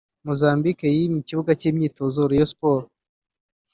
#Mozambique yimye ikibuga cy'imyitozo Rayons Sport